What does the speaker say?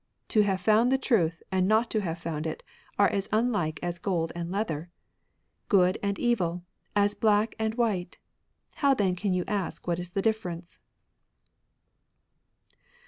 To have found the truth and not to have found it are as unlike as gold and leather ; good and evil, as black and white. How then can you ask what is the differ ence